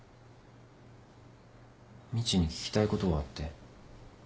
みちに聞きたいことがあって。